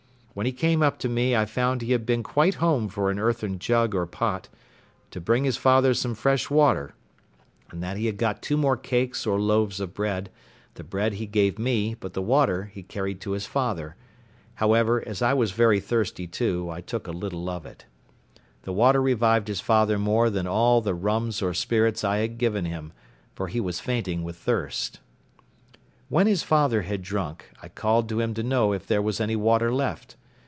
When he came up to me I found he had been quite home for an earthen jug or pot, to bring his father some fresh water, and that he had got two more cakes or loaves of bread: the bread he gave me, but the water he carried to his father; however, as I was very thirsty too, I took a little of it. The water revived his father more than all the rum or spirits I had given him, for he was fainting with thirst. When his father had drunk, I called to him to know if there was any water left.